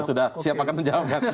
sudah siap akan menjawabkan